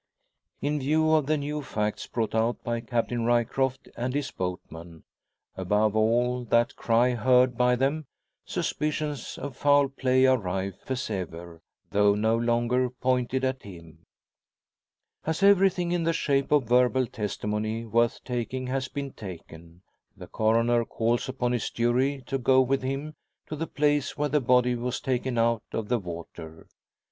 In view of the new facts brought out by Captain Ryecroft and his boatman above all that cry heard by them suspicions of foul play are rife as ever, though no longer pointed at him. As everything in the shape of verbal testimony worth taking has been taken, the Coroner calls upon his jury to go with him to the place where the body was taken out of the water.